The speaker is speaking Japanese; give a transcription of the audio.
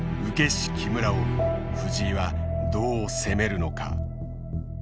師木村を藤井はどう攻めるのか？